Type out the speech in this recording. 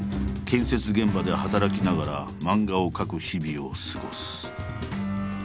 建設現場で働きながら漫画を描く日々を過ごす。